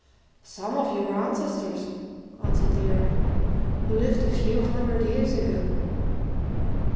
"Some of your ancestors," answered the Earl, "who lived a few hundred years ago."